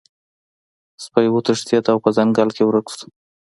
سپی وتښتید او په ځنګل کې ورک شو.